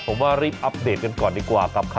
ผมว่ารีบอัปเดตกันก่อนดีกว่ากับข่าว